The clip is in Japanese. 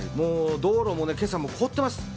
道路も今朝も凍ってます。